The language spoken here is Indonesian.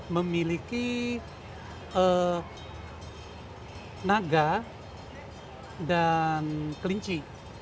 memiliki naga dan kelinci